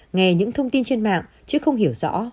nghe những thông tin trên mạng chứ không hiểu rõ